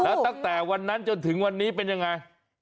แล้วตั้งแต่วันนั้นจนถึงวันนี้เป็นยังไง